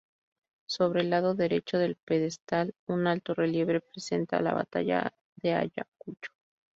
Sobre el lado derecho del pedestal, un alto relieve representa la Batalla de Ayacucho.